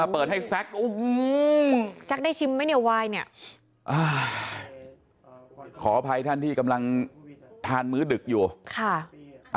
เปิดให้แซ็กแซ็กได้ชิมไหมเนี่ยวายเนี่ยขออภัยท่านที่กำลังทานมื้อดึกอยู่ค่ะ